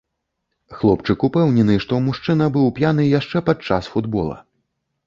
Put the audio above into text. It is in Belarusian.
Хлопчык упэўнены, што мужчына быў п'яны яшчэ падчас футбола.